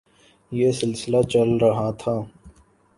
یہ سلسلہ چل رہا تھا۔